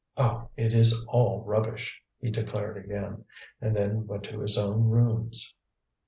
"Oh, it is all rubbish!" he declared again, and then went to his own rooms.